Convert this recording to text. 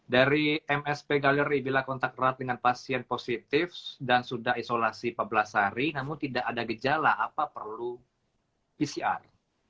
dari msp gallery bila kontak erat dengan pasien positif dan sudah isolasi empat belas hari namun tidak ada gejala apa perlu pcr